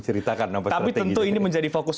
ceritakan apa strategi itu tapi tentu ini menjadi fokus